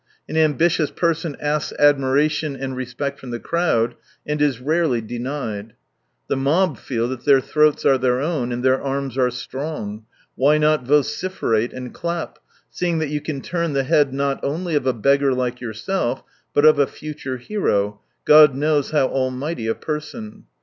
An ambitious person asks admiration and respect from the crowd, and is rarely denied. The mob feel that their throats are their own, and their arms are strong. Why not voci ferate and clap, seeing that you can turn the head not only of a beggar like yourself, but of a future jh.ero, God knows how almighty a person.